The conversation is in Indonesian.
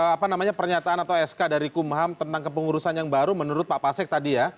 apa namanya pernyataan atau sk dari kumham tentang kepengurusan yang baru menurut pak pasek tadi ya